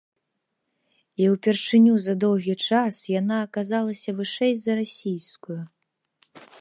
І ўпершыню за доўгі час яна аказалася вышэй за расійскую.